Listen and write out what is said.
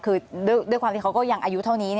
คือด้วยความที่เขาก็ยังอายุเท่านี้